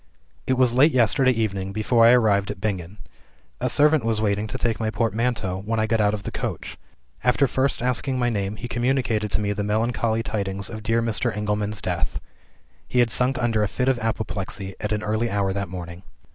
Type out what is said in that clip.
"It was late yesterday evening before I arrived at Bingen. A servant was waiting to take my portmanteau, when I got out of the coach. After first asking my name, he communicated to me the melancholy tidings of dear Mr. Engelman's death. He had sunk under a fit of apoplexy, at an early hour that morning.